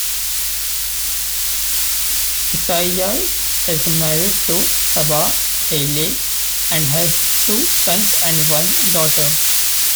Isaias is married to Saba Haile and has two sons and one daughter.